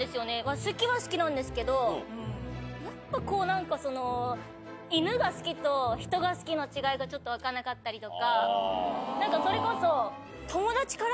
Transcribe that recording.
好きは好きなんですけどやっぱこう何かその。がちょっと分かんなかったりとかそれこそ。